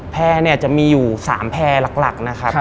แพร่เนี่ยจะมีอยู่๓แพร่หลักนะครับ